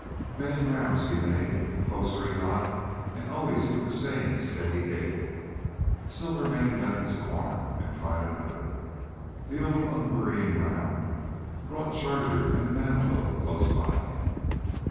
Many rounds he made; closer he got, and always with the same steady gait. Silvermane left his corner and tried another. The old unwearying round brought Charger and the Navajo close by him.